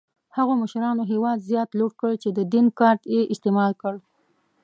هغو مشرانو هېواد زیات لوټ کړ چې د دین کارت یې استعمال کړ.